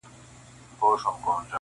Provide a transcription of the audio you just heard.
دا هنر دي له کوم ځایه دی راوړی -